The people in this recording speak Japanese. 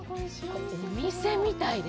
お店みたいです